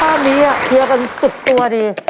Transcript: ถ้าตอนนี้เพียงกันสุดตัว